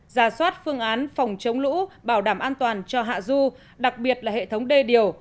ra soát phương án phòng chống lũ bảo đảm an toàn cho hạ du đặc biệt là hệ thống đê điều